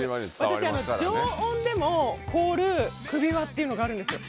常温でも凍る首輪っていうのがあるんですよ。